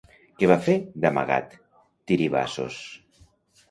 Què va fer d'amagat Tiribazos?